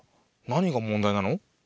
何が問題なの？